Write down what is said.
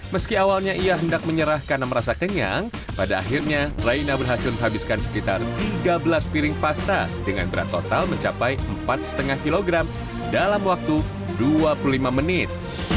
meski awalnya ia hendak menyerah karena merasa kenyang pada akhirnya raina berhasil menghabiskan sekitar tiga belas piring pasta dengan berat total mencapai empat lima kg dalam waktu dua puluh lima menit